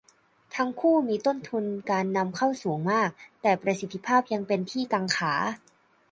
ทั้งคู่มีต้นทุนการนำเข้าสูงมาก แต่ประสิทธิภาพยังเป็นที่กังขา